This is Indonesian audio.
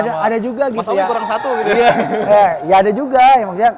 ya ada juga maksudnya ada customer gitu ada anaknya mas boleh langsung main sama dia